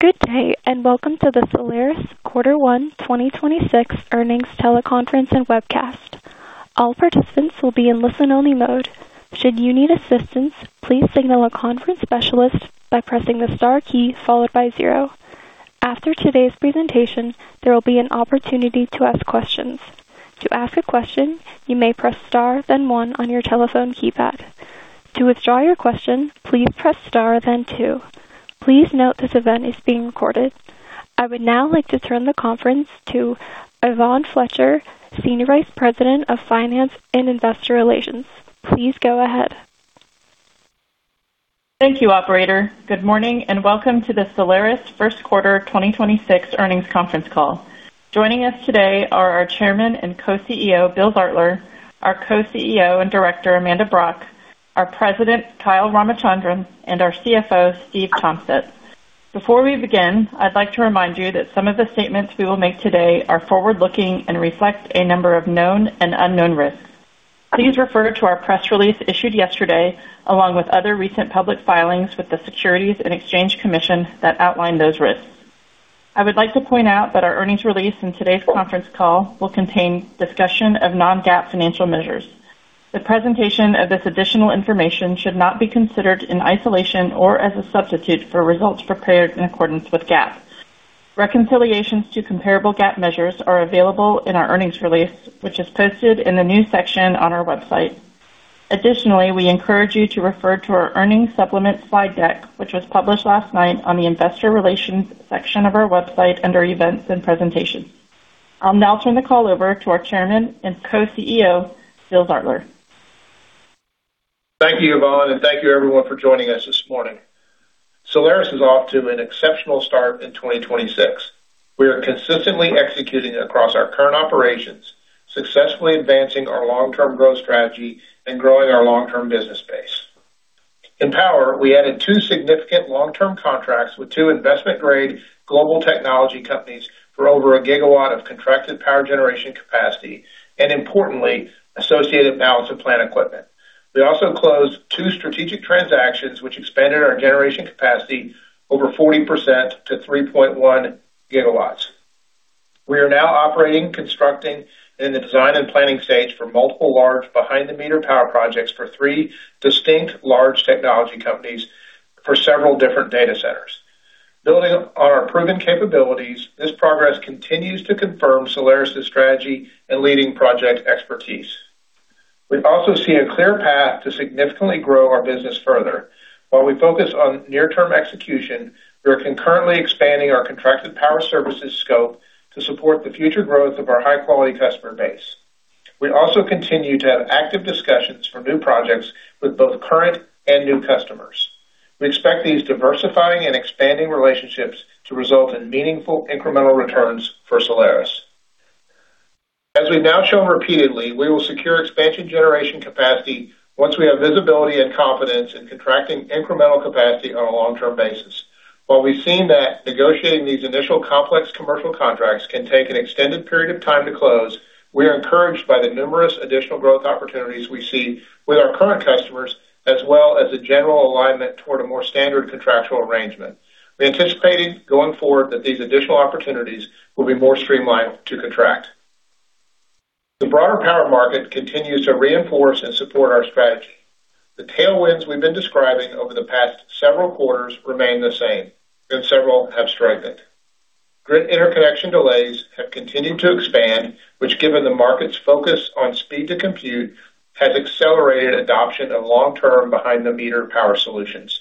Good day, and welcome to the Solaris quarter one 2026 earnings teleconference and webcast. All participants will be in listen-only mode. Should you need assistance, please signal a conference specialist by pressing the star key followed by zero. After today's presentation, there will be an opportunity to ask questions. To ask a question, you may press star then one on your telephone keypad. To withdraw your question, please press star then two. Please note this event is being recorded. I would now like to turn the conference to Yvonne Fletcher, Senior Vice President of Finance and Investor Relations. Please go ahead. Thank you, operator. Good morning, welcome to the Solaris first quarter 2026 earnings conference call. Joining us today are our Chairman and Co-Chief Executive Officer, Bill Zartler, our Co-Chief Executive Officer and Director, Amanda Brock, our President, Kyle Ramachandran, and our CFO, Stephan Tompsett. Before we begin, I'd like to remind you that some of the statements we will make today are forward-looking and reflect a number of known and unknown risks. Please refer to our press release issued yesterday, along with other recent public filings with the Securities and Exchange Commission that outline those risks. I would like to point out that our earnings release in today's conference call will contain discussion of non-GAAP financial measures. The presentation of this additional information should not be considered in isolation or as a substitute for results prepared in accordance with GAAP. Reconciliations to comparable GAAP measures are available in our earnings release, which is posted in the new section on our website. Additionally, we encourage you to refer to our earnings supplement slide deck, which was published last night on the investor relations section of our website under Events and Presentations. I'll now turn the call over to our Chairman and Co-CEO, Bill Zartler. Thank you, Yvonne, and thank you everyone for joining us this morning. Solaris is off to an exceptional start in 2026. We are consistently executing across our current operations, successfully advancing our long-term growth strategy and growing our long-term business base. In power, we added two significant long-term contracts with two investment-grade global technology companies for over 1 GW of contracted power generation capacity and importantly, associated balance-of-plant equipment. We also closed two strategic transactions, which expanded our generation capacity over 40% to 3.1 GW. We are now operating, constructing in the design and planning stage for multiple large behind-the-meter power projects for three distinct large technology companies for several different data centers. Building on our proven capabilities, this progress continues to confirm Solaris' strategy and leading project expertise. We also see a clear path to significantly grow our business further. While we focus on near-term execution, we are concurrently expanding our contracted power services scope to support the future growth of our high-quality customer base. We also continue to have active discussions for new projects with both current and new customers. We expect these diversifying and expanding relationships to result in meaningful incremental returns for Solaris. As we've now shown repeatedly, we will secure expansion generation capacity once we have visibility and confidence in contracting incremental capacity on a long-term basis. While we've seen that negotiating these initial complex commercial contracts can take an extended period of time to close, we are encouraged by the numerous additional growth opportunities we see with our current customers as well as a general alignment toward a more standard contractual arrangement. We anticipated going forward that these additional opportunities will be more streamlined to contract. The broader power market continues to reinforce and support our strategy. The tailwinds we've been describing over the past several quarters remain the same, and several have strengthened. Grid interconnection delays have continued to expand, which given the market's focus on speed to compute, has accelerated adoption of long-term behind-the-meter power solutions.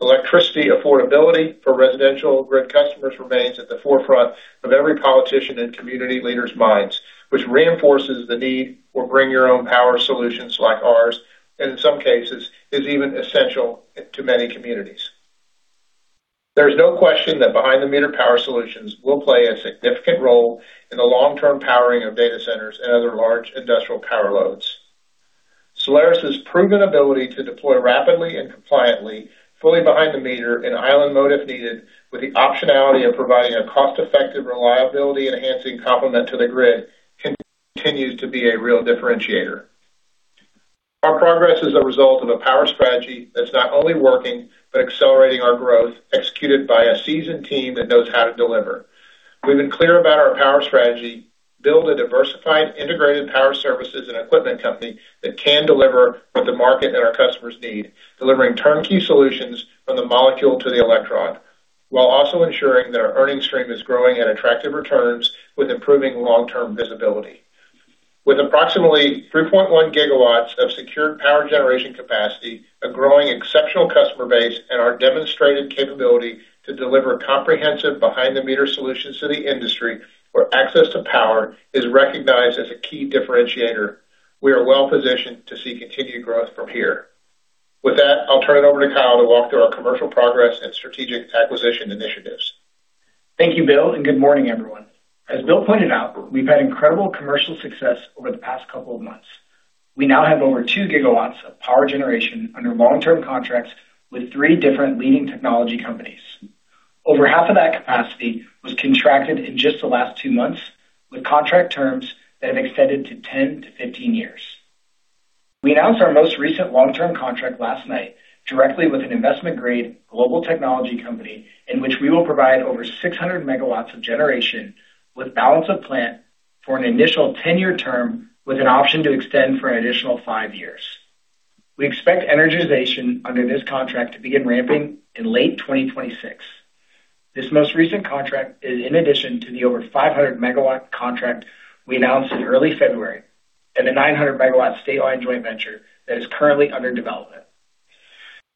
Electricity affordability for residential grid customers remains at the forefront of every politician and community leaders' minds, which reinforces the need for bring your own power solutions like ours, and in some cases is even essential to many communities. There is no question that behind-the-meter power solutions will play a significant role in the long-term powering of data centers and other large industrial power loads. Solaris' proven ability to deploy rapidly and compliantly fully behind-the-meter in island mode if needed, with the optionality of providing a cost-effective reliability enhancing complement to the grid continues to be a real differentiator. Our progress is a result of a power strategy that's not only working, but accelerating our growth executed by a seasoned team that knows how to deliver. We've been clear about our power strategy, build a diversified, integrated power services and equipment company that can deliver what the market and our customers need, delivering turnkey solutions from the molecule to electron, while also ensuring that our earnings stream is growing at attractive returns with improving long-term visibility. With approximately 3.1 GW of secured power generation capacity, a growing exceptional customer base, and our demonstrated capability to deliver comprehensive behind-the-meter solutions to the industry where access to power is recognized as a key differentiator, we are well-positioned to see continued growth from here. With that, I'll turn it over to Kyle to walk through our commercial progress and strategic acquisition initiatives. Thank you, Bill, and good morning, everyone. As Bill pointed out, we've had incredible commercial success over the past couple of months. We now have over 2 GW of power generation under long-term contracts with three different leading technology companies. Over half of that capacity was contracted in just the last two months, with contract terms that have extended to 10-15 years. We announced our most recent long-term contract last night directly with an investment-grade global technology company in which we will provide over 600 MW of generation with balance of plant for an initial 10-year term with an option to extend for an additional five years. We expect energization under this contract to begin ramping in late 2026. This most recent contract is in addition to the over 500 MW contract we announced in early February and the 900 MW State Line joint venture that is currently under development.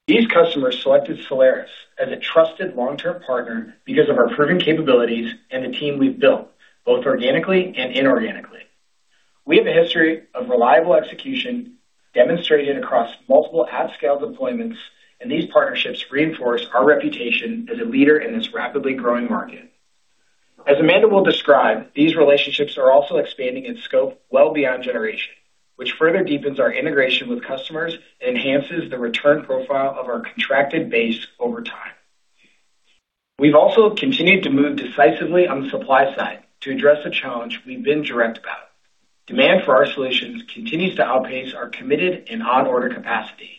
These customers selected Solaris as a trusted long-term partner because of our proven capabilities and the team we've built, both organically and inorganically. We have a history of reliable execution demonstrated across multiple at-scale deployments, and these partnerships reinforce our reputation as a leader in this rapidly growing market. As Amanda will describe, these relationships are also expanding in scope well beyond generation, which further deepens our integration with customers and enhances the return profile of our contracted base over time. We've also continued to move decisively on the supply side to address a challenge we've been direct about. Demand for our solutions continues to outpace our committed and on-order capacity.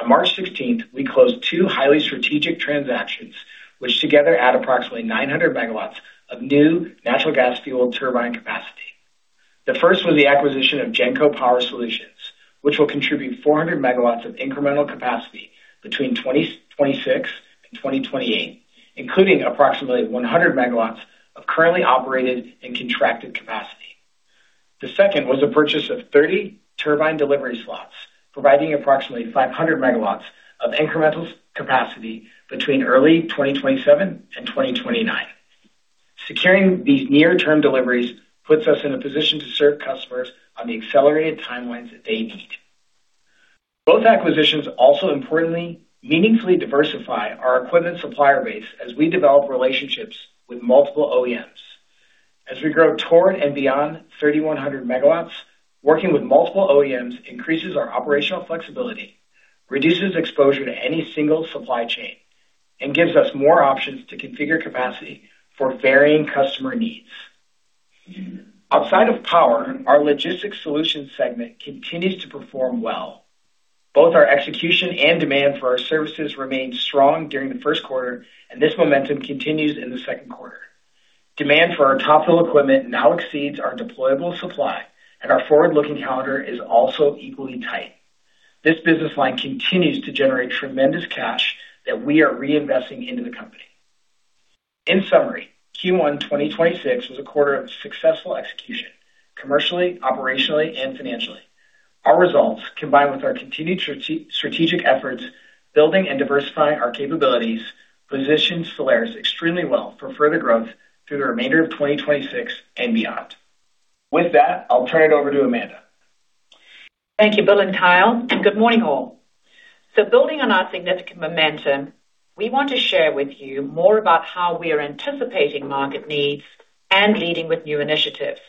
On March 16th, we closed two highly strategic transactions, which together add approximately 900 MW of new natural gas-fueled turbine capacity. The first was the acquisition of Genco Power Solutions, which will contribute 400 MW of incremental capacity between 2026 and 2028, including approximately 100 MW of currently operated and contracted capacity. The second was a purchase of 30 turbine delivery slots, providing approximately 500 MW of incremental capacity between early 2027 and 2029. Securing these near-term deliveries puts us in a position to serve customers on the accelerated timelines that they need. Both acquisitions also importantly meaningfully diversify our equipment supplier base as we develop relationships with multiple OEMs. As we grow toward and beyond 3,100 MW, working with multiple OEMs increases our operational flexibility, reduces exposure to any single supply chain, and gives us more options to configure capacity for varying customer needs. Outside of power, our Logistics Solutions segment continues to perform well. Both our execution and demand for our services remained strong during the first quarter. This momentum continues in the second quarter. Demand for our top-fill equipment now exceeds our deployable supply. Our forward-looking calendar is also equally tight. This business line continues to generate tremendous cash that we are reinvesting into the company. In summary, Q1 2026 was a quarter of successful execution, commercially, operationally, and financially. Our results, combined with our continued strategic efforts, building and diversifying our capabilities, positions Solaris extremely well for further growth through the remainder of 2026 and beyond. With that, I'll turn it over to Amanda. Thank you, Bill and Kyle, and good morning, all. Building on our significant momentum, we want to share with you more about how we are anticipating market needs and leading with new initiatives.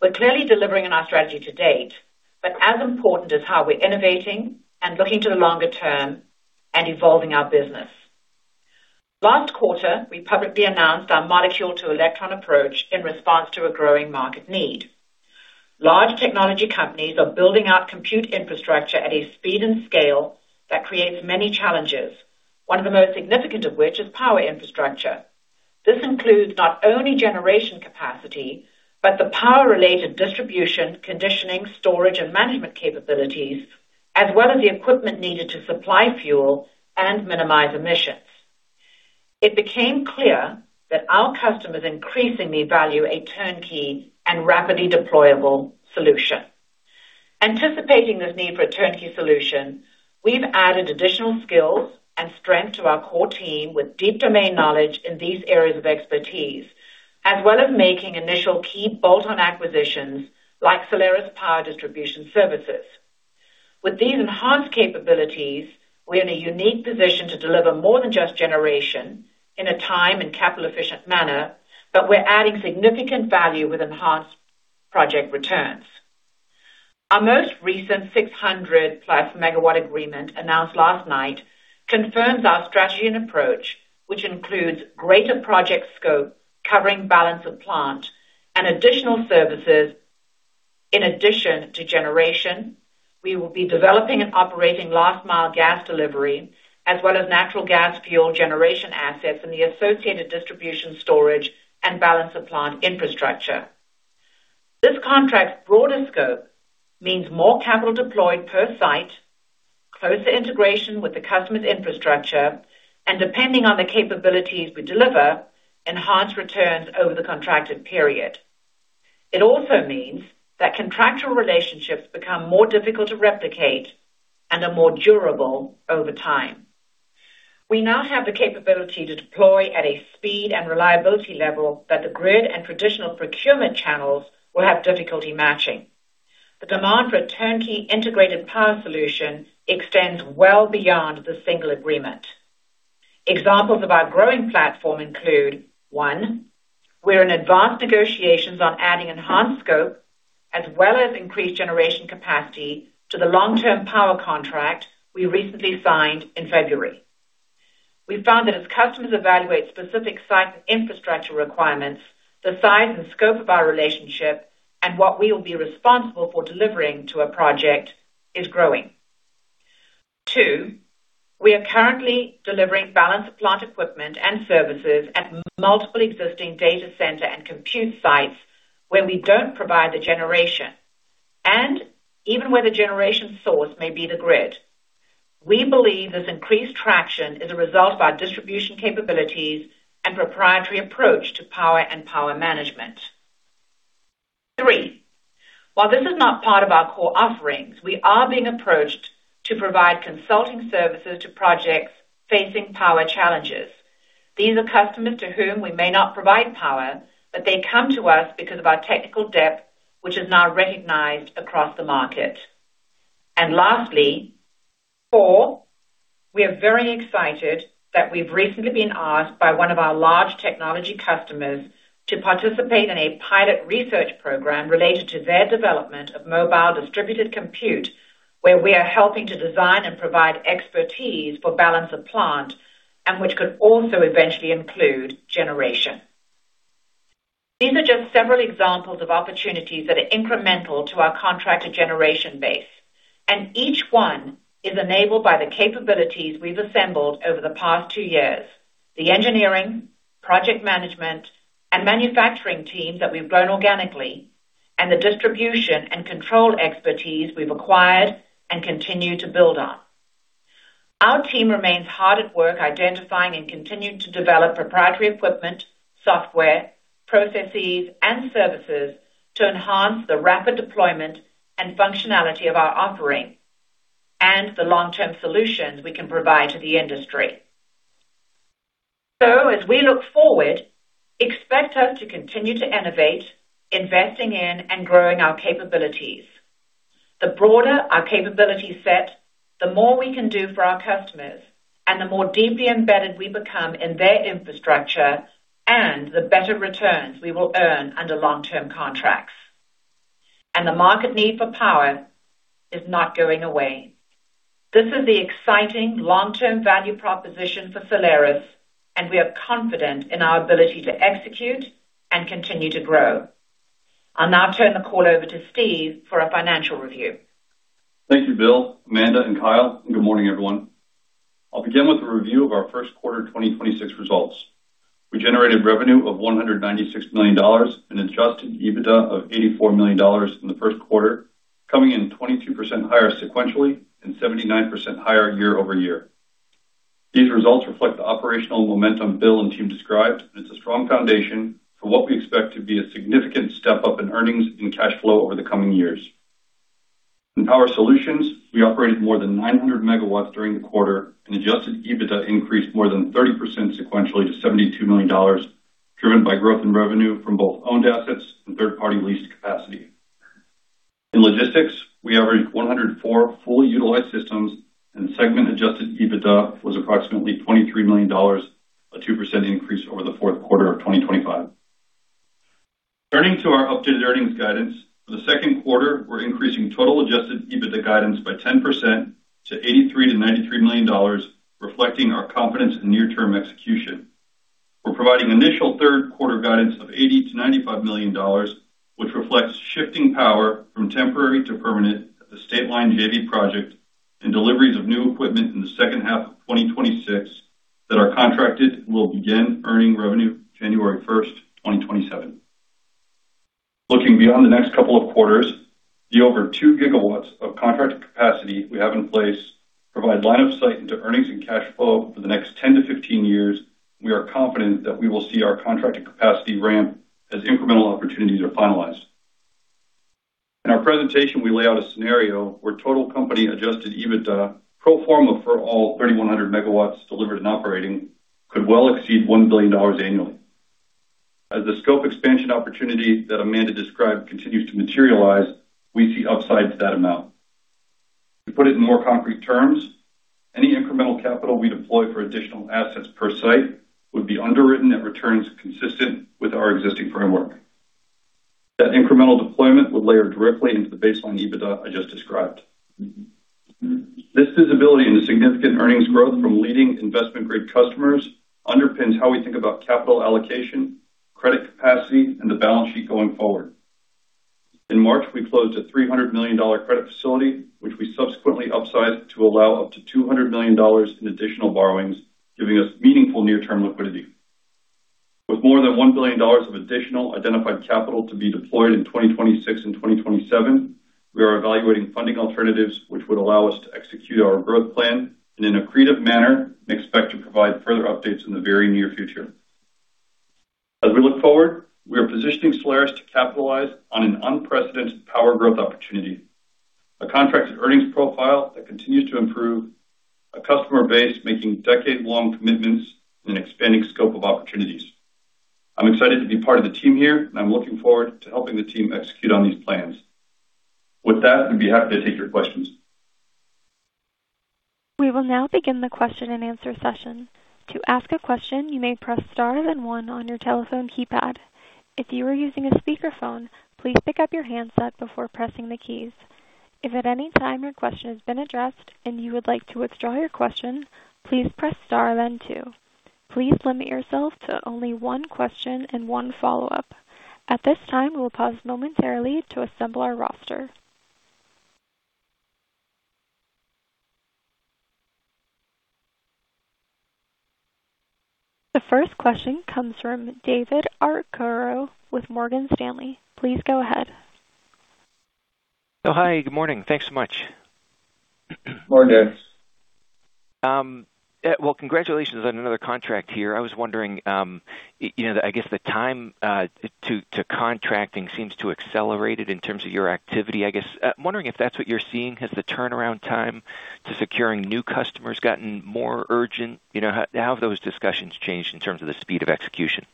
We're clearly delivering on our strategy to date, but as important is how we're innovating and looking to the longer term and evolving our business. Last quarter, we publicly announced our molecule to electron approach in response to a growing market need. Large technology companies are building out compute infrastructure at a speed and scale that creates many challenges, one of the most significant of which is power infrastructure. This includes not only generation capacity, but the power-related distribution, conditioning, storage, and management capabilities, as well as the equipment needed to supply fuel and minimize emissions. It became clear that our customers increasingly value a turnkey and rapidly deployable solution. Anticipating this need for a turnkey solution, we've added additional skills and strength to our core team with deep domain knowledge in these areas of expertise, as well as making initial key bolt-on acquisitions like Solaris Power Distribution Services. With these enhanced capabilities, we're in a unique position to deliver more than just generation in a time and capital efficient manner, but we're adding significant value with enhanced project returns. Our most recent 600+ MW agreement announced last night confirms our strategy and approach, which includes greater project scope, covering balance of plant and additional services. In addition to generation, we will be developing and operating last mile gas delivery, as well as natural gas fuel generation assets and the associated distribution storage and balance of plant infrastructure. This contract's broader scope means more capital deployed per site, closer integration with the customer's infrastructure, and depending on the capabilities we deliver, enhanced returns over the contracted period. It also means that contractual relationships become more difficult to replicate and are more durable over time. We now have the capability to deploy at a speed and reliability level that the grid and traditional procurement channels will have difficulty matching. The demand for a turnkey integrated power solution extends well beyond the single agreement. Examples of our growing platform include, one, we're in advanced negotiations on adding enhanced scope as well as increased generation capacity to the long-term power contract we recently signed in February. We found that as customers evaluate specific site infrastructure requirements, the size and scope of our relationship and what we will be responsible for delivering to a project is growing. Two, we are currently delivering balance of plant equipment and services at multiple existing data center and compute sites where we don't provide the generation, and even where the generation source may be the grid. We believe this increased traction is a result of our distribution capabilities and proprietary approach to power and power management. Three, while this is not part of our core offerings, we are being approached to provide consulting services to projects facing power challenges. These are customers to whom we may not provide power, but they come to us because of our technical depth, which is now recognized across the market. Lastly, four, we are very excited that we've recently been asked by one of our large technology customers to participate in a pilot research program related to their development of mobile distributed compute, where we are helping to design and provide expertise for balance of plant and which could also eventually include generation. These are just several examples of opportunities that are incremental to our contracted generation base, each one is enabled by the capabilities we've assembled over the past two years, the engineering, project management, and manufacturing teams that we've grown organically and the distribution and control expertise we've acquired and continue to build on. Our team remains hard at work identifying and continuing to develop proprietary equipment, software, processes, and services to enhance the rapid deployment and functionality of our offering and the long-term solutions we can provide to the industry. As we look forward, expect us to continue to innovate, investing in and growing our capabilities. The broader our capability set, the more we can do for our customers, and the more deeply embedded we become in their infrastructure and the better returns we will earn under long-term contracts. The market need for power is not going away. This is the exciting long-term value proposition for Solaris, and we are confident in our ability to execute and continue to grow. I'll now turn the call over to Stephan for a financial review. Thank you, Bill, Amanda, and Kyle. Good morning, everyone. I'll begin with a review of our first quarter 2026 results. We generated revenue of $196 million and Adjusted EBITDA of $84 million in the first quarter, coming in 22% higher sequentially and 79% higher year-over-year. These results reflect the operational momentum Bill and team described, and it's a strong foundation for what we expect to be a significant step-up in earnings and cash flow over the coming years. In Solaris Power Solutions, we operated more than 900 MW during the quarter and Adjusted EBITDA increased more than 30% sequentially to $72 million, driven by growth in revenue from both owned assets and third-party leased capacity. In logistics, we averaged 104 fully utilized systems and Segment-Adjusted EBITDA was approximately $23 million, a 2% increase over the fourth quarter of 2025. Turning to our updated earnings guidance. For the second quarter, we're increasing total Adjusted EBITDA guidance by 10% to $83 million-$93 million, reflecting our confidence in near-term execution. We're providing initial third quarter guidance of $80 million-$95 million, which reflects shifting power from temporary to permanent at the State Line JV project and deliveries of new equipment in the second half of 2026 that are contracted and will begin earning revenue January 1st, 2027. Looking beyond the next couple of quarters, the over 2 GW of contracted capacity we have in place provide line of sight into earnings and cash flow for the next 10-15 years. We are confident that we will see our contracted capacity ramp as incremental opportunities are finalized. In our presentation, we lay out a scenario where total company Adjusted EBITDA pro forma for all 3,100 MW delivered and operating could well exceed $1 billion annually. As the scope expansion opportunity that Amanda described continues to materialize, we see upside to that amount. To put it in more concrete terms, any incremental capital we deploy for additional assets per site would be underwritten at returns consistent with our existing framework. That incremental deployment would layer directly into the baseline EBITDA I just described. This visibility into significant earnings growth from leading investment-grade customers underpins how we think about capital allocation, credit capacity, and the balance sheet going forward. In March, we closed a $300 million credit facility, which we subsequently upsized to allow up to $200 million in additional borrowings, giving us meaningful near-term liquidity. With more than $1 billion of additional identified capital to be deployed in 2026 and 2027, we are evaluating funding alternatives which would allow us to execute our growth plan in an accretive manner and expect to provide further updates in the very near future. As we look forward, we are positioning Solaris to capitalize on an unprecedented power growth opportunity, a contracted earnings profile that continues to improve, a customer base making decade-long commitments, and an expanding scope of opportunities. I'm excited to be part of the team here, and I'm looking forward to helping the team execute on these plans. With that, we'd be happy to take your questions. We will now begin the question-and-answer session. To ask a question, you may press star then one on your telephone keypad. If you are using a speakerphone, please pick up your handset before pressing the keys. If at any time your question has been addressed and you would like to withdraw your question, please press star then two. Please limit yourself to only one question and one follow-up. At this time, we'll pause momentarily to assemble our roster. The first question comes from David Arcaro with Morgan Stanley. Please go ahead. Oh, hi. Good morning. Thanks so much. Good morning, David. Well, congratulations on another contract here. I was wondering, you know, I guess the time to contracting seems to accelerated in terms of your activity, I guess. I'm wondering if that's what you're seeing. Has the turnaround time to securing new customers gotten more urgent? You know, how have those discussions changed in terms of the speed of execution?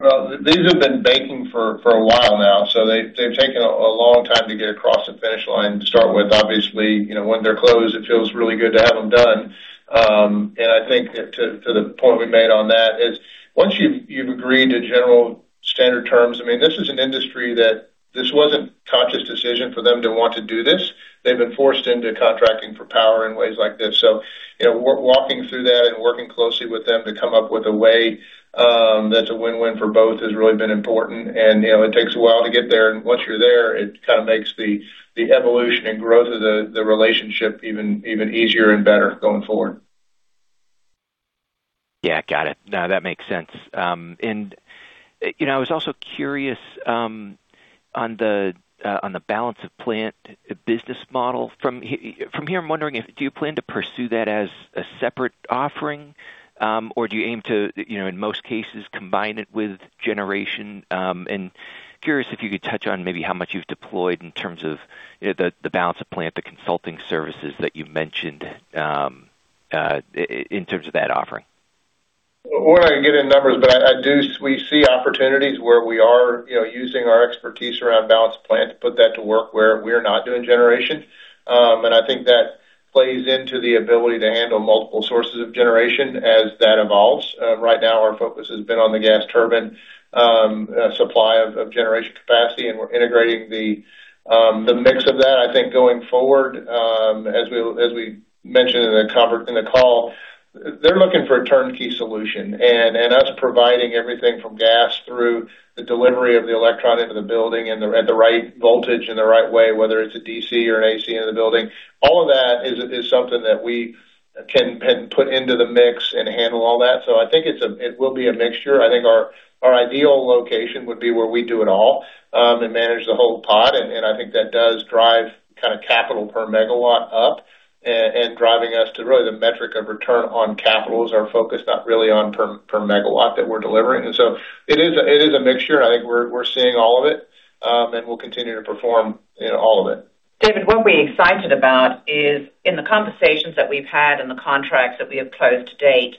Well, these have been baking for a while now, so they've taken a long time to get across the finish line to start with. Obviously, you know, when they're closed, it feels really good to have them done. I think to the point we made on that is once you've agreed to general standard terms, I mean, this is an industry that this wasn't conscious decision for them to want to do this. They've been forced into contracting for power in ways like this. You know, we're walking through that and working closely with them to come up with a way that's a win-win for both has really been important. You know, it takes a while to get there. Once you're there, it kind of makes the evolution and growth of the relationship even easier and better going forward. Yeah. Got it. No, that makes sense. You know, I was also curious on the balance of plant business model. From here, I'm wondering if do you plan to pursue that as a separate offering, or do you aim to, you know, in most cases, combine it with generation? Curious if you could touch on maybe how much you've deployed in terms of, you know, the balance of plant, the consulting services that you mentioned in terms of that offering. We're not going to get in numbers. We see opportunities where we are, you know, using our expertise around balance of plant to put that to work where we're not doing generation. I think that plays into the ability to handle multiple sources of generation as that evolves. Right now, our focus has been on the gas turbine supply of generation capacity. We're integrating the mix of that. I think going forward, as we mentioned in the call, they're looking for a turnkey solution. Us providing everything from gas through the delivery of the electron to the building at the right voltage in the right way, whether it's a DC or an AC in the building, all of that is something that we can put into the mix and handle all that. I think it will be a mixture. I think our ideal location would be where we do it all and manage the whole pod. I think that does drive kind of capital per megawatt up and driving us to really the metric of return on capital is our focus, not really on per megawatt that we're delivering. It is a mixture, and I think we're seeing all of it and we'll continue to perform in all of it. David, what we're excited about is in the conversations that we've had and the contracts that we have closed to date,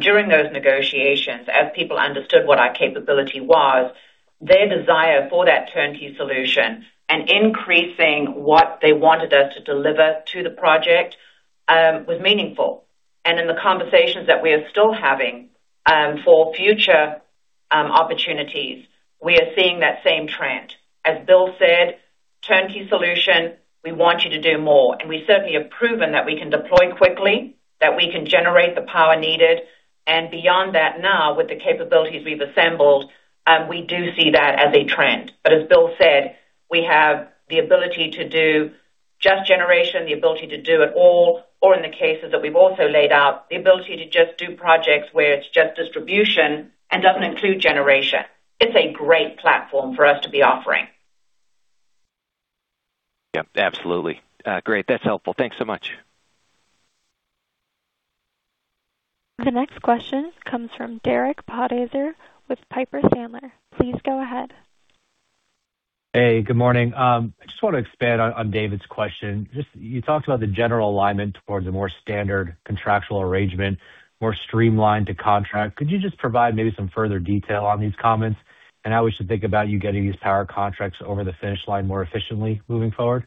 during those negotiations, as people understood what our capability was, their desire for that turnkey solution and increasing what they wanted us to deliver to the project, was meaningful. In the conversations that we are still having, for future opportunities, we are seeing that same trend. As Bill said, turnkey solution, we want you to do more. We certainly have proven that we can deploy quickly, that we can generate the power needed. Beyond that now, with the capabilities we've assembled, we do see that as a trend. As Bill said, we have the ability to do just generation, the ability to do it all, or in the cases that we've also laid out, the ability to just do projects where it's just distribution and doesn't include generation. It's a great platform for us to be offering. Yeah, absolutely. great. That's helpful. Thanks so much. The next question comes from Derek Podhaizer with Piper Sandler. Please go ahead. Hey, good morning. I just want to expand on David's question. Just you talked about the general alignment towards a more standard contractual arrangement, more streamlined to contract. Could you just provide maybe some further detail on these comments? How we should think about you getting these power contracts over the finish line more efficiently moving forward?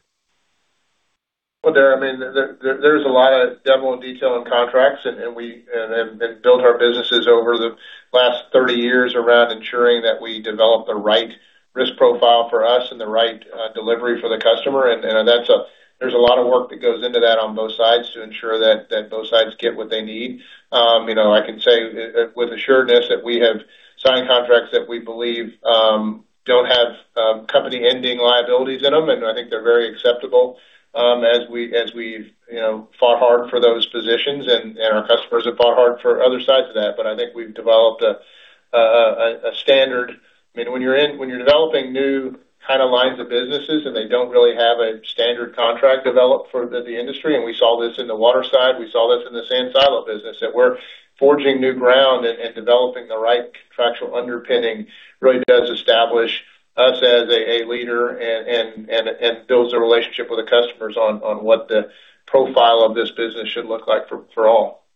Well, Derek, I mean, there's a lot of devil in detail in contracts, and have built our businesses over the last 30 years around ensuring that we develop the right risk profile for us and the right delivery for the customer. That's a lot of work that goes into that on both sides to ensure that both sides get what they need. You know, I can say with assuredness that we have signed contracts that we believe don't have company-ending liabilities in them, and I think they're very acceptable as we've, you know, fought hard for those positions, and our customers have fought hard for other sides of that. I think we've developed a standard. I mean, when you're developing new kind of lines of businesses and they don't really have a standard contract developed for the industry, and we saw this in the water side, we saw this in the sand silo business, that we're forging new ground and developing the right contractual underpinning really does establish us as a leader and builds a relationship with the customers on what the profile of this business should look like for all.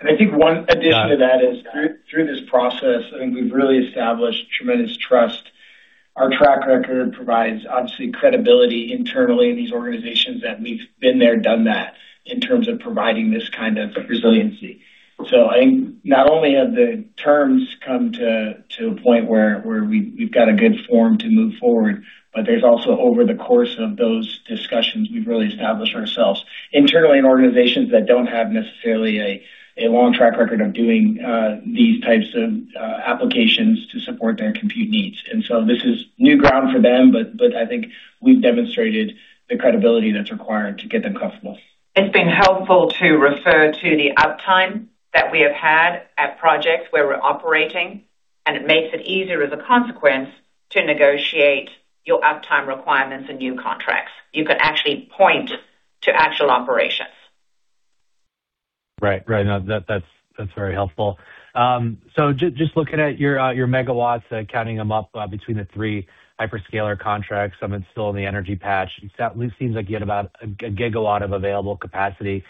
I think one addition to that is through this process, I think we've really established tremendous trust. Our track record provides, obviously, credibility internally in these organizations that we've been there, done that in terms of providing this kind of resiliency. I think not only have the terms come to a point where we've got a good form to move forward, but there's also over the course of those discussions, we've really established ourselves internally in organizations that don't have necessarily a long track record of doing these types of applications to support their compute needs. This is new ground for them, but I think we've demonstrated the credibility that's required to get them comfortable. It's been helpful to refer to the uptime that we have had at projects where we're operating, and it makes it easier as a consequence to negotiate your uptime requirements and new contracts. You can actually point to actual operations. Right. Right. No, that's, that's very helpful. So just looking at your megawatts, counting them up, between the three hyperscaler contracts, some still in the energy patch. It seems like you had about a gigawatt of available capacity.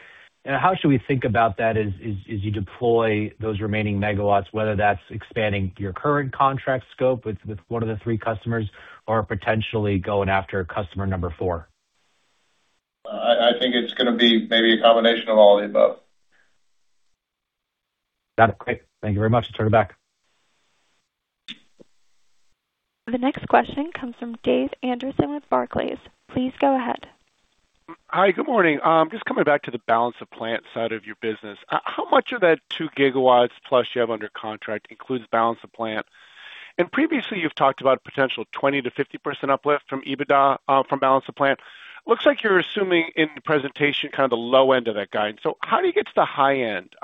How should we think about that as you deploy those remaining megawatts, whether that's expanding your current contract scope with one of the three customers or potentially going after customer number four? I think it's gonna be maybe a combination of all of the above. Got it. Great. Thank you very much. Let's turn it back. The next question comes from Dave Anderson with Barclays. Please go ahead. Hi, good morning. Just coming back to the balance of plant side of your business. How much of that 2 GW plus you have under contract includes balance of plant? Previously, you've talked about potential 20%-50% uplift from EBITDA from balance of plant. Looks like you're assuming in the presentation kind of the low end of that guide. How do you get to the high end?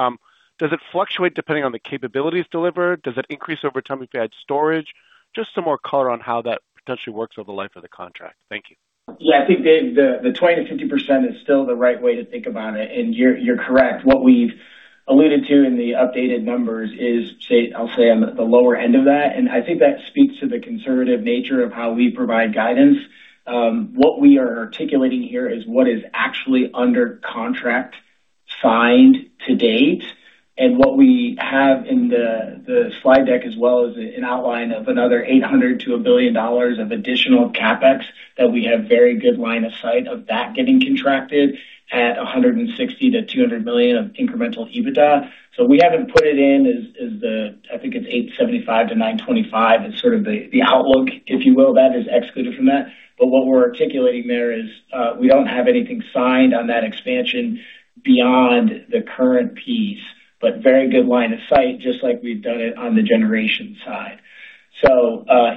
Does it fluctuate depending on the capabilities delivered? Does it increase over time if you add storage? Just some more color on how that potentially works over the life of the contract. Thank you. Yeah, I think Dave, the 20%-50% is still the right way to think about it. You're correct. What we've alluded to in the updated numbers is I'll say on the lower end of that. What we are articulating here is what is actually under contract signed to date. What we have in the slide deck as well is an outline of another $800 million-$1 billion of additional CapEx that we have very good line of sight of that getting contracted at $160 million-$200 million of incremental EBITDA. We haven't put it in as I think it's $875 million-$925 million is sort of the outlook, if you will, that is excluded from that. What we're articulating there is, we don't have anything signed on that expansion beyond the current piece, but very good line of sight, just like we've done it on the generation side.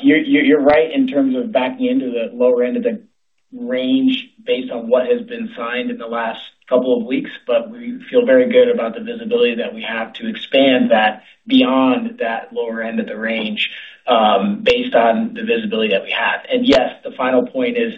You're right in terms of backing into the lower end of the range based on what has been signed in the last two weeks, but we feel very good about the visibility that we have to expand that beyond that lower end of the range, based on the visibility that we have. Yes, the final point is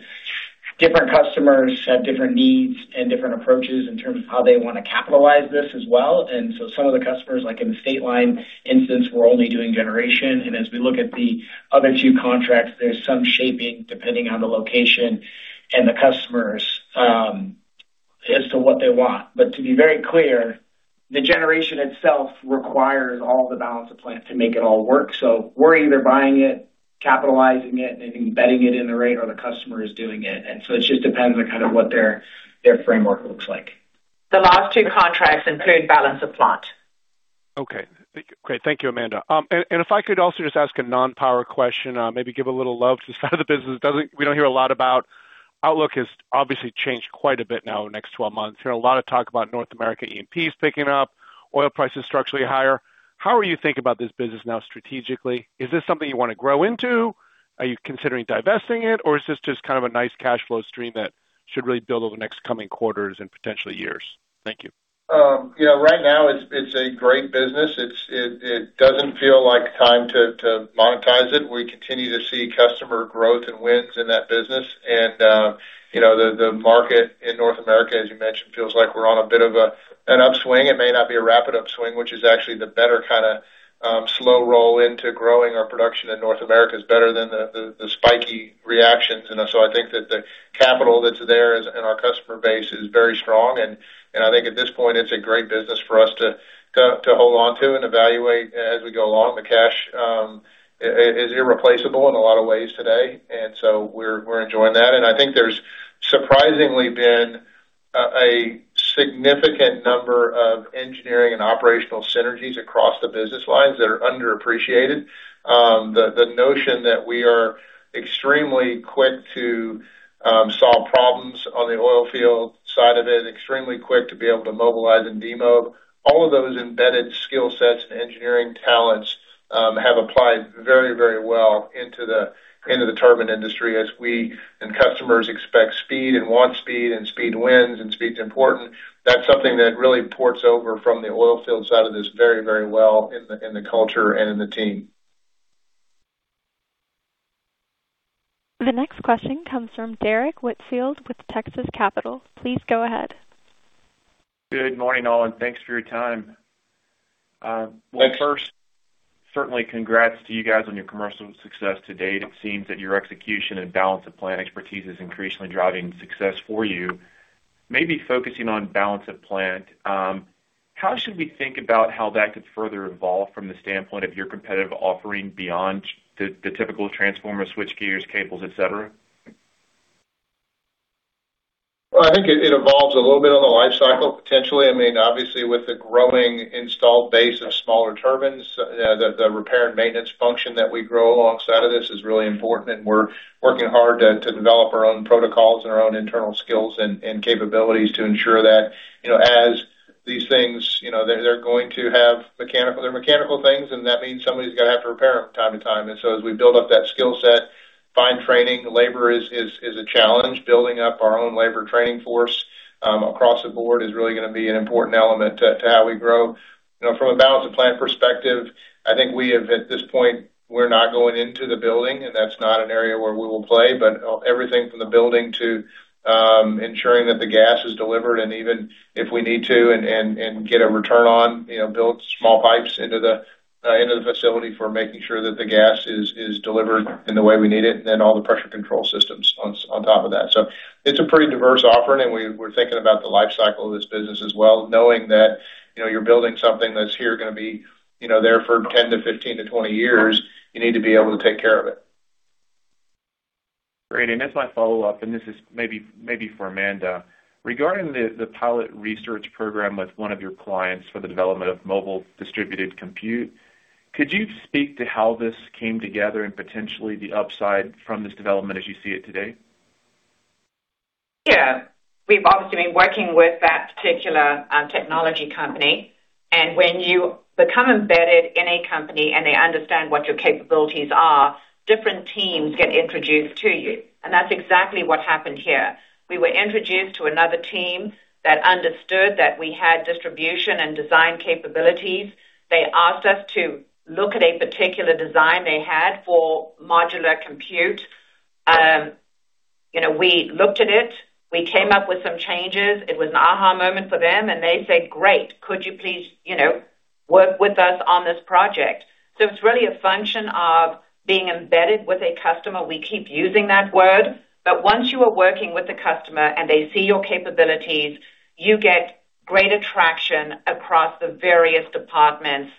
different customers have different needs and different approaches in terms of how they wanna capitalize this as well. Some of the customers, like in the State Line instance, we're only doing generation. As we look at the other two contracts, there's some shaping depending on the location and the customers as to what they want. To be very clear, the generation itself requires all the balance of plant to make it all work. We're either buying it, capitalizing it, and embedding it in the rate, or the customer is doing it. It just depends on kind of what their framework looks like. The last two contracts include balance of plant. Okay. Great. Thank you, Amanda. If I could also just ask a non-power question, maybe give a little love to the side of the business we don't hear a lot about. Outlook has obviously changed quite a bit now next 12 months. We hear a lot of talk about North America E&Ps picking up, oil prices structurally higher. How are you thinking about this business now strategically? Is this something you wanna grow into? Are you considering divesting it? Is this just kind of a nice cash flow stream that should really build over the next coming quarters and potentially years? Thank you. You know, right now it's a great business. It doesn't feel like time to monetize it. We continue to see customer growth and wins in that business. You know, the market in North America, as you mentioned, feels like we're on a bit of an upswing. It may not be a rapid upswing, which is actually the better kinda slow roll into growing our production in North America is better than the spiky reactions. I think that the capital that's there is, and our customer base is very strong. I think at this point, it's a great business for us to hold on to and evaluate as we go along. The cash is irreplaceable in a lot of ways today. We're enjoying that. I think there's surprisingly been a significant number of engineering and operational synergies across the business lines that are underappreciated. The notion that we are extremely quick to solve problems on the oil field side of it, extremely quick to be able to mobilize and demob. All of those embedded skill sets and engineering talents have applied very, very well into the turbine industry as we and customers expect speed and want speed and speed wins and speed's important. That's something that really ports over from the oil field side of this very, very well in the culture and in the team. The next question comes from Derek Whitfield with Texas Capital. Please go ahead. Good morning, all, and thanks for your time. Certainly Congrats to you guys on your commercial success to date. It seems that your execution and balance of plant expertise is increasingly driving success for you. Maybe focusing on balance of plant, how should we think about how that could further evolve from the standpoint of your competitive offering beyond the typical transformer switchgears, cables, et cetera? Well, I mean, obviously, with the growing installed base of smaller turbines, the repair and maintenance function that we grow alongside of this is really important, and we're working hard to develop our own protocols and our own internal skills and capabilities to ensure that, you know, as these things, you know, they're going to have mechanical. They're mechanical things, and that means somebody's gonna have to repair them from time to time. So as we build up that skill set, find training, labor is a challenge. Building up our own labor training force across the board is really gonna be an important element to how we grow. You know, from a balance of plant perspective, I think we have at this point, we are not going into the building. That's not an area where we will play. Everything from the building to ensuring that the gas is delivered, and even if we need to and get a return on, you know, build small pipes into the facility for making sure that the gas is delivered in the way we need it, and all the pressure control systems on top of that. It's a pretty diverse offering, and we are thinking about the life cycle of this business as well, knowing that, you know, you are building something that's here gonna be, you know, there for 10-15- 20 years, you need to be able to take care of it. Great. As my follow-up, this is maybe for Amanda. Regarding the pilot research program with one of your clients for the development of mobile distributed compute, could you speak to how this came together and potentially the upside from this development as you see it today? Yeah. We've obviously been working with that particular technology company. When you become embedded in a company and they understand what your capabilities are, different teams get introduced to you. That's exactly what happened here. We were introduced to another team that understood that we had distribution and design capabilities. They asked us to look at a particular design they had for modular compute. You know, we looked at it. We came up with some changes. It was an aha moment for them, and they said, "Great. Could you please, you know, work with us on this project?" It's really a function of being embedded with a customer. We keep using that word. Once you are working with the customer and they see your capabilities, you get great attraction across the various departments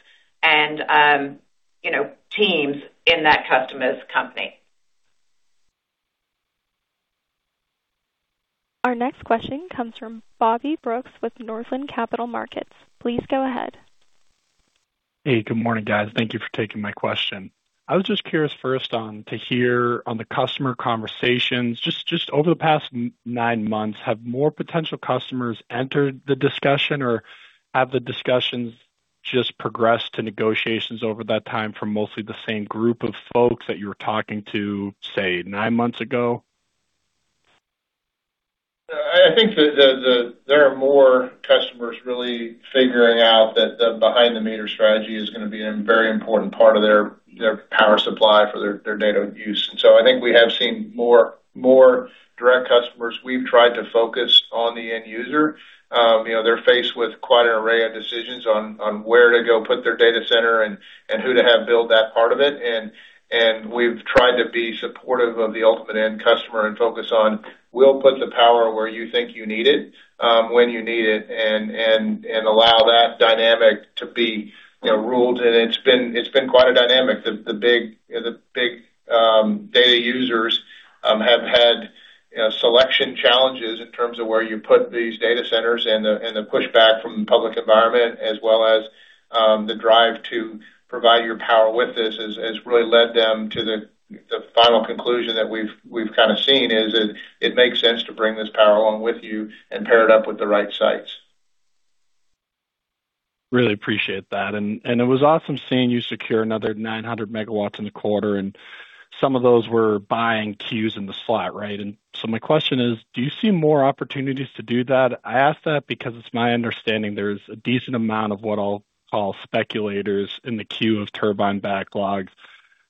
and, you know, teams in that customer's company. Our next question comes from Bobby Brooks with Northland Capital Markets. Please go ahead. Hey, good morning, guys. Thank you for taking my question. I was just curious first on to hear on the customer conversations. Just over the past nine months, have more potential customers entered the discussion, or have the discussions just progressed to negotiations over that time from mostly the same group of folks that you were talking to, say, nine months ago? I think there are more customers really figuring out that the behind-the-meter strategy is gonna be a very important part of their power supply for their data use. I think we have seen more direct customers. We've tried to focus on the end user. You know, they're faced with quite an array of decisions on where to go put their data center and who to have build that part of it. We've tried to be supportive of the ultimate end customer and focus on, we'll put the power where you think you need it, when you need it and allow that dynamic to be, you know, ruled. It's been quite a dynamic. The big data users, have had, you know, selection challenges in terms of where you put these data centers and the pushback from the public environment as well as the drive to provide your power with this has really led them to the final conclusion that we've kinda seen is that it makes sense to bring this power along with you and pair it up with the right sites. Really appreciate that. It was awesome seeing you secure another 900 MW in the quarter, and some of those were buying queues in the slot, right? My question is: Do you see more opportunities to do that? I ask that because it's my understanding there's a decent amount of what I'll call speculators in the queue of turbine backlogs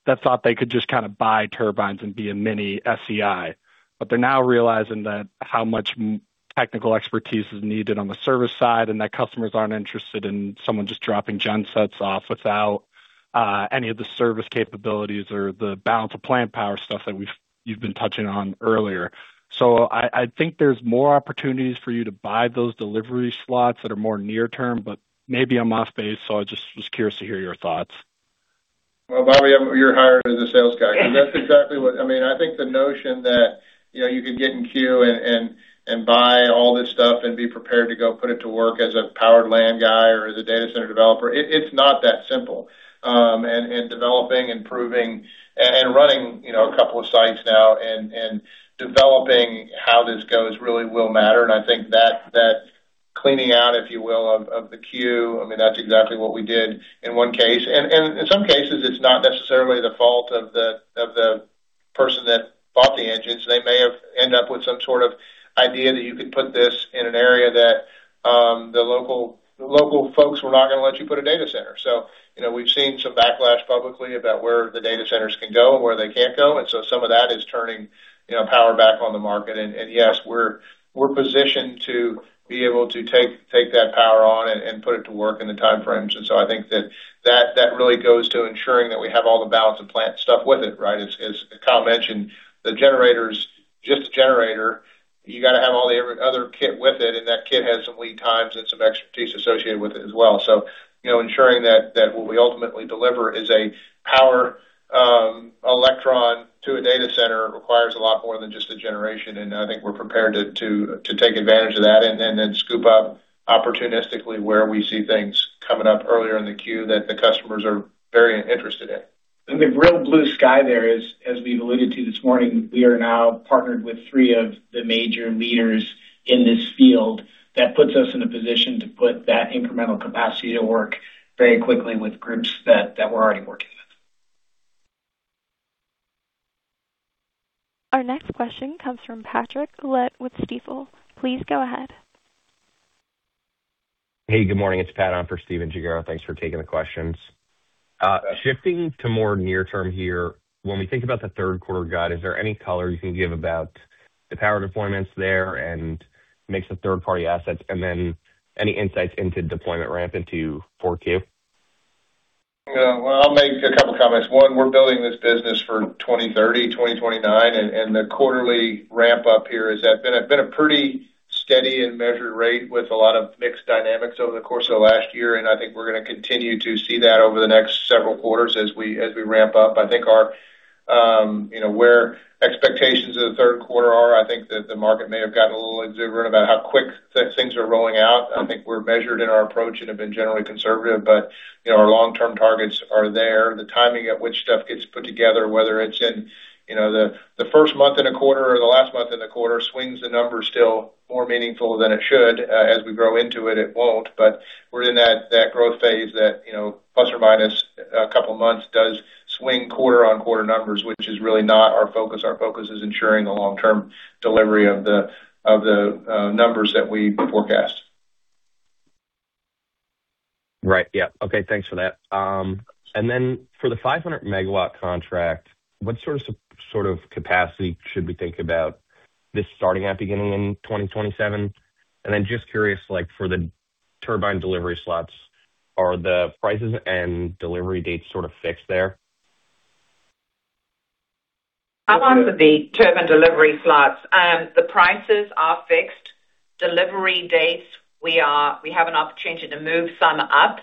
that thought they could just kinda buy turbines and be a mini SEI. They're now realizing that how much technical expertise is needed on the service side and that customers aren't interested in someone just dropping gensets off without any of the service capabilities or the balance of plant power stuff that you've been touching on earlier. I think there's more opportunities for you to buy those delivery slots that are more near term, but maybe I'm off base, so I just was curious to hear your thoughts. Well, Bobby, you're hired as a sales guy because that's exactly what I mean. I think the notion that, you know, you could get in queue and buy all this stuff and be prepared to go put it to work as a powered land guy or as a data center developer, it's not that simple. Developing and proving and running, you know, a couple of sites now and developing how this goes really will matter. I think that cleaning out, if you will, of the queue, I mean, that's exactly what we did in one case. In some cases, it's not necessarily the fault of the person that bought the engines. They may have end up with some sort of idea that you could put this in an area that, the local, the local folks were not going to let you put a data center. You know, we've seen some backlash publicly about where the data centers can go and where they can't go. Some of that is turning, you know, power back on the market. Yes, we're positioned to be able to take that power off. On it and put it to work in the time frames. I think that really goes to ensuring that we have all the balance of plant stuff with it, right? As Kyle mentioned, the generator's just a generator. You got to have all the other kit with it, and that kit has some lead times and some expertise associated with it as well. You know, ensuring that what we ultimately deliver is a power electron to a data center requires a lot more than just a generation. I think we're prepared to take advantage of that and then scoop up opportunistically where we see things coming up earlier in the queue that the customers are very interested in. The real blue sky there is, as we've alluded to this morning, we are now partnered with three of the major leaders in this field. That puts us in a position to put that incremental capacity to work very quickly with groups that we're already working with. Our next question comes from Patrick Collette with Stifel. Please go ahead. Hey, good morning. It's Pat on for Stephan Gengaro. Thanks for taking the questions. Shifting to more near term here. When we think about the third quarter guide, is there any color you can give about the power deployments there and mix of third-party assets? Any insights into deployment ramp into four Q? Yeah. Well, I'll make a couple of comments. One, we're building this business for 2030, 2029, and the quarterly ramp up here has been a pretty steady and measured rate with a lot of mixed dynamics over the course of last year. I think we're going to continue to see that over the next several quarters as we ramp up. I think our, you know, where expectations of the third quarter are, I think that the market may have gotten a little exuberant about how quick things are rolling out. I think we're measured in our approach and have been generally conservative. You know, our long-term targets are there. The timing at which stuff gets put together, whether it's in, you know, the first month in a quarter or the last month in a quarter swings the numbers still more meaningful than it should. As we grow into it won't. We're in that growth phase that, you know, plus or minus a couple of months does swing quarter-on-quarter numbers, which is really not our focus. Our focus is ensuring the long-term delivery of the numbers that we forecast. Right. Yeah. Okay, thanks for that. Then for the 500 MW contract, what sort of capacity should we think about this starting at beginning in 2027? Then just curious, like, for the turbine delivery slots, are the prices and delivery dates sort of fixed there? I'll answer the turbine delivery slots. The prices are fixed. Delivery dates, we have an opportunity to move some up,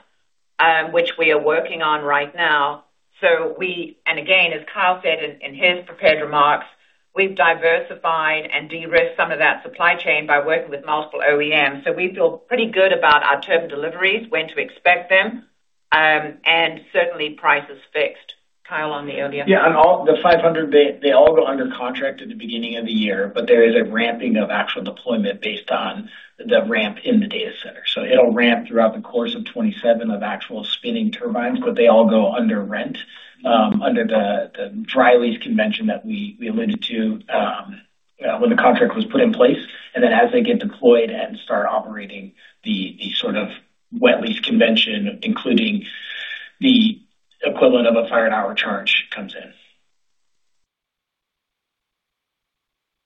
which we are working on right now. Again, as Kyle said in his prepared remarks, we've diversified and de-risked some of that supply chain by working with multiple OEMs. We feel pretty good about our turbine deliveries, when to expect them, and certainly prices fixed. Kyle, on the OEM. On all the 500, they all go under contract at the beginning of the year. There is a ramping of actual deployment based on the ramp in the data center. It'll ramp throughout the course of 2027 of actual spinning turbines. They all go under rent under the dry lease convention that we alluded to when the contract was put in place. As they get deployed and start operating, the sort of wet lease convention, including the equivalent of a fired hour charge, comes in.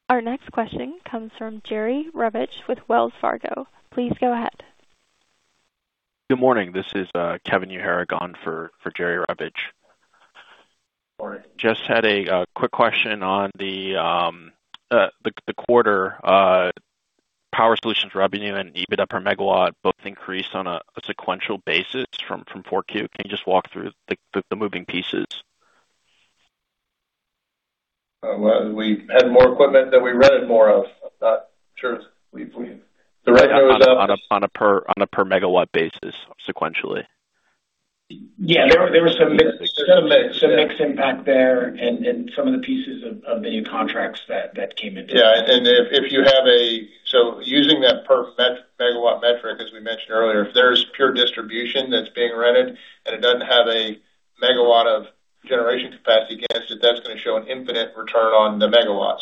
Our next question comes from Jerry Revich with Wells Fargo. Please go ahead. Good morning. This is Kevin Uhlig on for Jerry Revich. Morning. Just had a quick question on the quarter, Solaris Power Solutions revenue and EBITDA per megawatt both increased on a sequential basis from Q4. Can you just walk through the moving pieces? Well, we had more equipment that we rented more of. The revenue was up. On a per megawatt basis sequentially. Yeah. There were some mix impact there and some of the pieces of the new contracts that came into it. Yeah. Using that per megawatt metric, as we mentioned earlier, if there's pure distribution that's being rented and it doesn't have a megawatt of generation capacity against it, that's going to show an infinite return on the megawatt.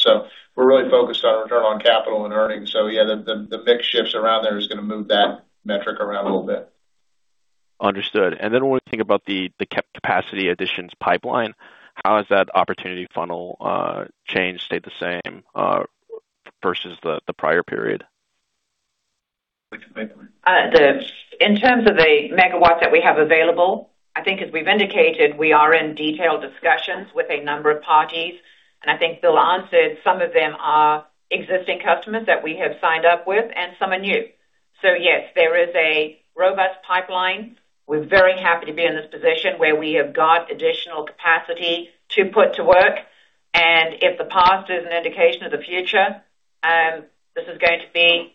We're really focused on return on capital and earnings. Yeah, the mix shifts around there is going to move that metric around a little bit. Understood. When we think about the capacity additions pipeline, how has that opportunity funnel changed, stayed the same, versus the prior period? Which pipeline? In terms of the megawatts that we have available, I think as we've indicated, we are in detailed discussions with a number of parties. I think Bill answered, some of them are existing customers that we have signed up with and some are new. Yes, there is a robust pipeline. We're very happy to be in this position where we have got additional capacity to put to work. If the past is an indication of the future, this is going to be,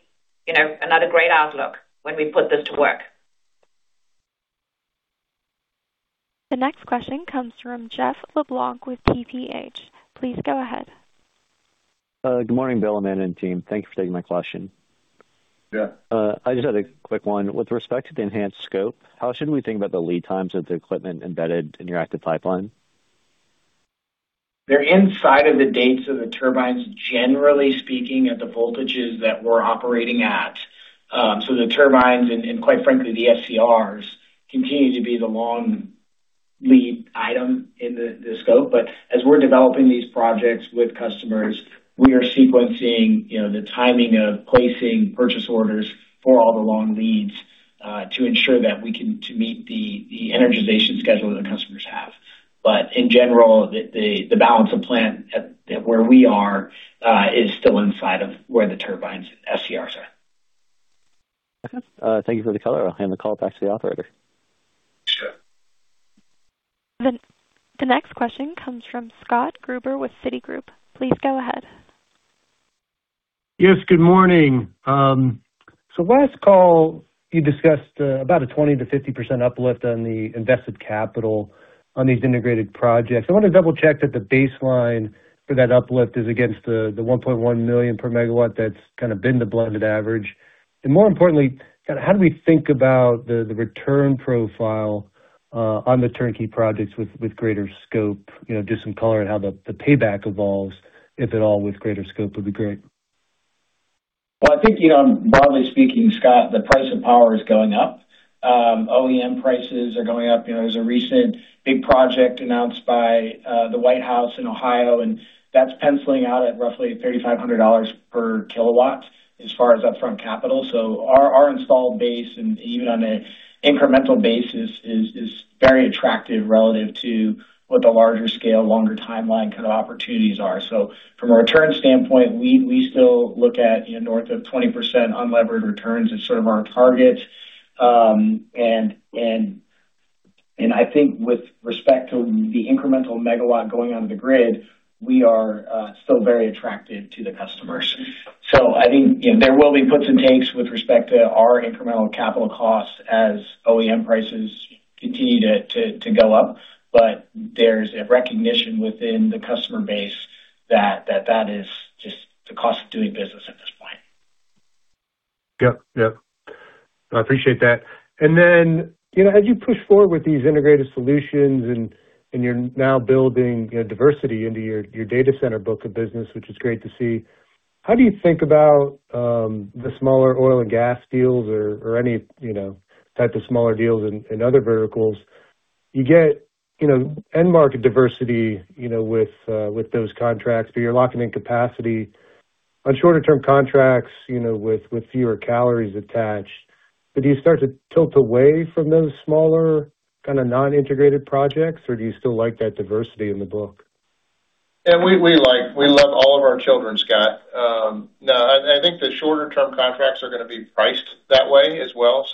you know, another great outlook when we put this to work. The next question comes from Jeff LeBlanc with TPH. Please go ahead. Good morning, Bill, Amanda, and team. Thank you for taking my question. Yeah. I just had a quick one. With respect to the enhanced scope, how should we think about the lead times of the equipment embedded in your active pipeline? They're inside of the dates of the turbines, generally speaking, at the voltages that we're operating at. The turbines and quite frankly, the SCRs continue to be the long-lead item in the scope. As we're developing these projects with customers, we are sequencing, you know, the timing of placing purchase orders for all the long leads to ensure that we can meet the energization schedule that the customers have. In general, the balance of plant where we are is still inside of where the turbines SCRs are. Okay. Thank you for the color. I'll hand the call back to the operator. Sure. The next question comes from Scott Gruber with Citigroup. Please go ahead. Yes, good morning. Last call you discussed about a 20%-50% uplift on the invested capital on these integrated projects. I wanna double-check that the baseline for that uplift is against the $1.1 million per megawatt that's kind of been the blended average. More importantly, kinda how do we think about the return profile on the turnkey projects with greater scope? You know, just some color on how the payback evolves, if at all, with greater scope would be great. Well, I think, you know, broadly speaking, Scott, the price of power is going up. OEM prices are going up. You know, there's a recent big project announced by the White House in Ohio, and that's penciling out at roughly $3,500 kW as far as upfront capital. Our installed base and even on an incremental basis is very attractive relative to what the larger scale, longer timeline kind of opportunities are. From a return standpoint, we still look at, you know, north of 20% unlevered returns as sort of our target. And I think with respect to the incremental megawatt going onto the grid, we are still very attractive to the customers. I think, you know, there will be puts and takes with respect to our incremental capital costs as OEM prices continue to go up. There's a recognition within the customer base that that is just the cost of doing business at this point. Yep. Yep. I appreciate that. You know, as you push forward with these integrated solutions and you're now building, you know, diversity into your data center book of business, which is great to see, how do you think about the smaller oil and gas deals or any, you know, type of smaller deals in other verticals? You get, you know, end market diversity, you know, with those contracts, but you're locking in capacity on shorter term contracts, you know, with fewer calories attached. Do you start to tilt away from those smaller kind of non-integrated projects, or do you still like that diversity in the book? Yeah. We love all of our children, Scott. No, I think the shorter term contracts are gonna be priced that way as well.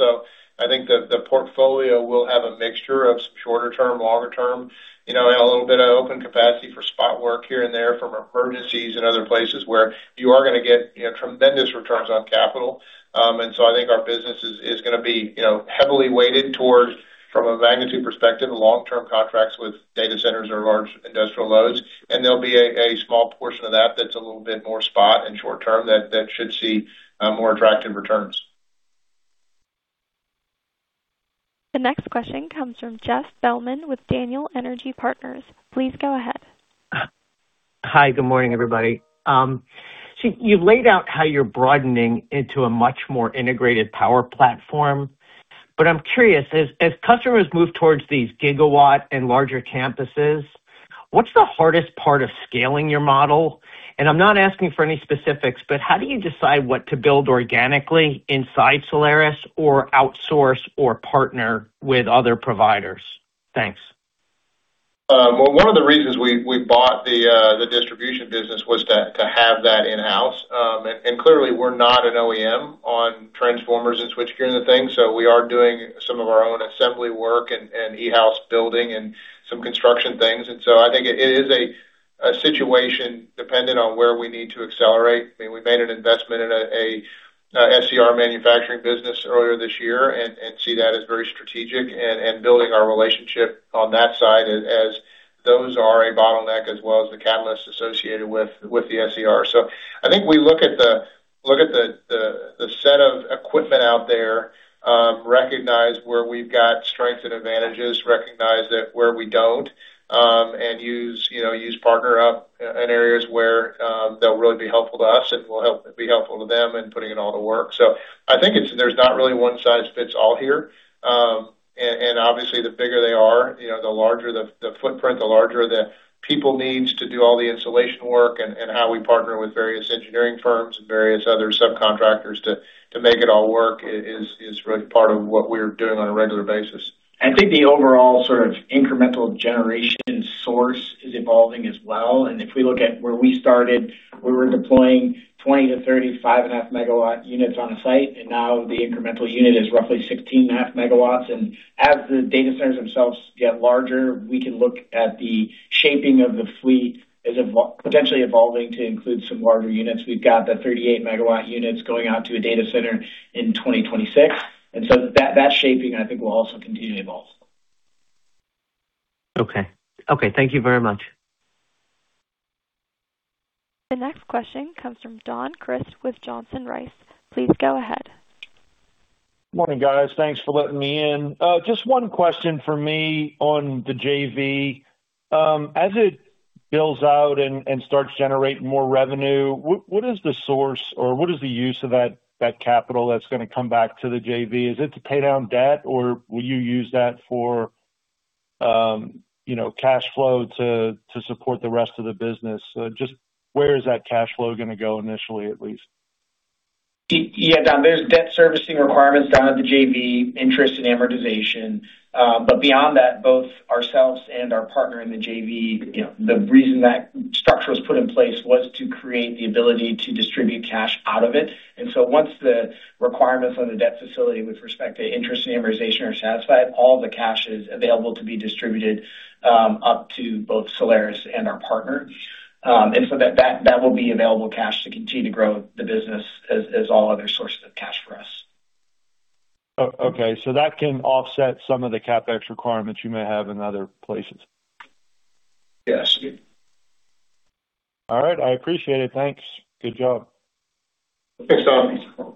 I think that the portfolio will have a mixture of shorter term, longer term, you know, and a little bit of open capacity for spot work here and there from emergencies in other places where you are gonna get, you know, tremendous returns on capital. I think our business is gonna be, you know, heavily weighted towards, from a magnitude perspective, long-term contracts with data centers or large industrial loads. There'll be a small portion of that that's a little bit more spot and short term that should see more attractive returns. The next question comes from Jeff Bellman with Daniel Energy Partners. Please go ahead. Hi, good morning, everybody. You've laid out how you're broadening into a much more integrated power platform, but I'm curious, as customers move towards these gigawatt and larger campuses, what's the hardest part of scaling your model? I'm not asking for any specifics, but how do you decide what to build organically inside Solaris or outsource or partner with other providers? Thanks. One of the reasons we bought the distribution business was to have that in-house. Clearly we're not an OEM on transformers and switch gear and the things, so we are doing some of our own assembly work and e-house building and some construction things. I think it is a situation dependent on where we need to accelerate. I mean, we made an investment in a SCR manufacturing business earlier this year and see that as very strategic and building our relationship on that side as those are a bottleneck as well as the catalyst associated with the SCR. I think we look at the set of equipment out there, recognize where we've got strengths and advantages, recognize that where we don't, and use, you know, partner up in areas where they'll really be helpful to us and we'll be helpful to them in putting it all to work. I think there's not really one size fits all here. Obviously the bigger they are, you know, the larger the footprint, the larger the people needs to do all the installation work and how we partner with various engineering firms and various other subcontractors to make it all work is really part of what we're doing on a regular basis. I think the overall sort of incremental generation source is evolving as well. If we look at where we started, we were deploying 20MW-35.5 MW units on a site, and now the incremental unit is roughly 16.5 MW. As the data centers themselves get larger, we can look at the shaping of the fleet as potentially evolving to include some larger units. We've got the 38 MW units going out to a data center in 2026. That shaping I think will also continue to evolve. Okay. Okay, thank you very much. The next question comes from Don Crist with Johnson Rice. Please go ahead. Morning, guys. Thanks for letting me in. Just one question from me on the JV. Builds out and starts generating more revenue. What is the source or what is the use of that capital that's gonna come back to the JV? Is it to pay down debt or will you use that for, you know, cash flow to support the rest of the business? Just where is that cash flow gonna go initially, at least? Yeah, Don, there's debt servicing requirements down at the JV interest and amortization. But beyond that, both ourselves and our partner in the JV, you know, the reason that structure was put in place was to create the ability to distribute cash out of it. Once the requirements on the debt facility with respect to interest and amortization are satisfied, all the cash is available to be distributed up to both Solaris and our partner. And so that will be available cash to continue to grow the business as all other sources of cash for us. Okay. That can offset some of the CapEx requirements you may have in other places. Yes. All right. I appreciate it. Thanks. Good job. Thanks, Don.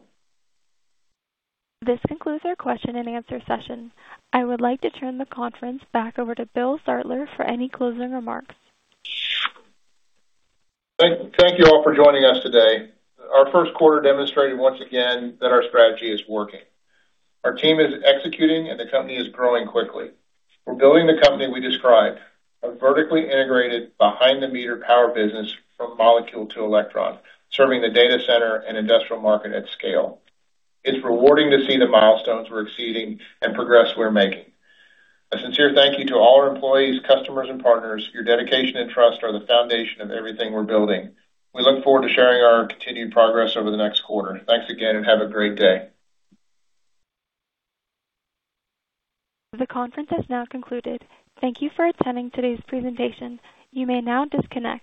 This concludes our question and answer session. I would like to turn the conference back over to Bill Zartler for any closing remarks. Thank you all for joining us today. Our first quarter demonstrated once again that our strategy is working. Our team is executing and the company is growing quickly. We're building the company we described, a vertically integrated behind-the-meter power business from molecule to electron, serving the data center and industrial market at scale. It's rewarding to see the milestones we're exceeding and progress we're making. A sincere thank you to all our employees, customers and partners. Your dedication and trust are the foundation of everything we're building. We look forward to sharing our continued progress over the next quarter. Thanks again and have a great day. The conference has now concluded. Thank you for attending today's presentation. You may now disconnect.